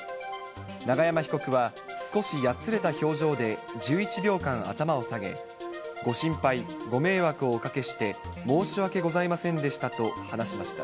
永山被告は少しやつれた表情で１１秒間、頭を下げ、ご心配、ご迷惑をおかけして申し訳ございませんでしたと話しました。